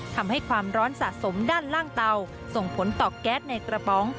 ความร้อนสะสมด้านล่างเตาส่งผลต่อแก๊สในกระป๋อง